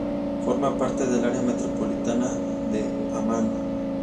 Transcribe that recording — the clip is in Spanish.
Forma parte del área metropolitana de Ammán.